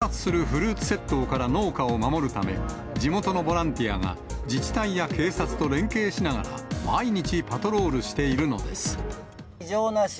頻発するフルーツ窃盗から農家を守るため、地元のボランティアが自治体や警察と連携しながら、毎日パトロー異常なし。